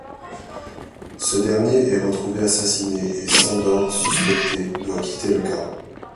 Ce dernier est retrouvé assassiné, et Sandor, suspecté, doit quitter le camp.